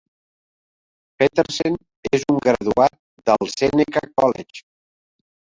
Petersen és un graduat del Seneca College.